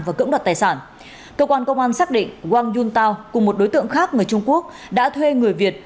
và cưỡng đoạt tài sản cơ quan công an xác định wang yuntao cùng một đối tượng khác người trung quốc đã thuê người việt